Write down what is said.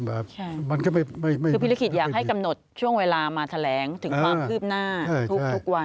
คือพี่ลิขิตอยากให้กำหนดช่วงเวลามาแถลงถึงความคืบหน้าทุกวัน